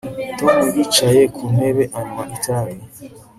Tom yicaye ku ntebe anywa itabi